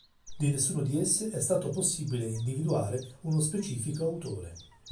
Di nessuno di esse è stato possibile individuare uno specifico autore.